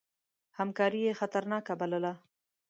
همکاري یې خطرناکه بلله.